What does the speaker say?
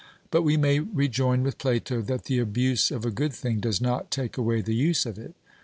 But we may rejoin with Plato that the abuse of a good thing does not take away the use of it.